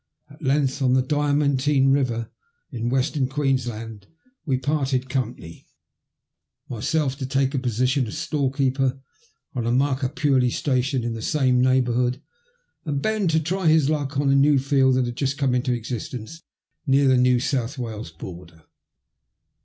At length, on the Diamintina Biver, in Western Queensland, we parted company, myself to take a position of storekeeper on Marka purlie station in the same neighbourhood, and Ben to try his luck on a new field that had just come into existence near the New South Wales border.